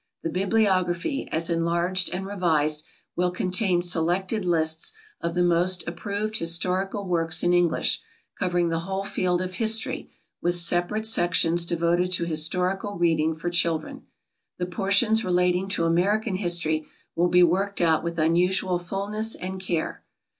The bibliography, as enlarged and revised, will contain selected lists of the most approved historical works in English, covering the whole field of history, with separate sections devoted to historical reading for children. The portions relating to American history will be worked out with unusual fullness and care.